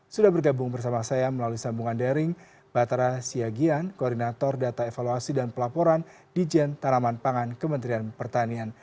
sudah bergabung bersama saya melalui sambungan daring batara siagian koordinator data evaluasi dan pelaporan dijen tanaman pangan kementerian pertanian